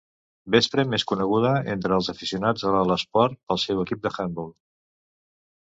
Veszprém és coneguda entre els aficionats a l'esport pel seu equip d'handbol.